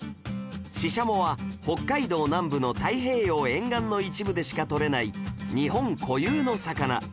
シシャモは北海道南部の太平洋沿岸の一部でしかとれない日本固有の魚